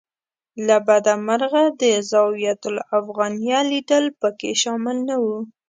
له بده مرغه د الزاویة الافغانیه لیدل په کې شامل نه و.